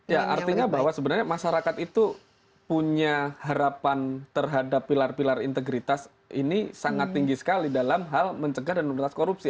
ya artinya bahwa sebenarnya masyarakat itu punya harapan terhadap pilar pilar integritas ini sangat tinggi sekali dalam hal mencegah dan memberantas korupsi